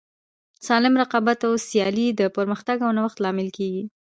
سالم رقابت او سیالي د پرمختګ او نوښت لامل کیږي.